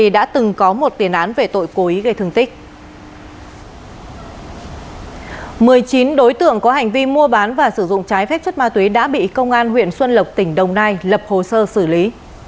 một mươi chín đối tượng có hành vi mua bán và sử dụng trái phép chất ma túy đã bị công an huyện xuân lộc tỉnh đồng nai lập hồ sơ xử lý